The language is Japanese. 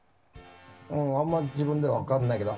あんまり自分では分からないけど。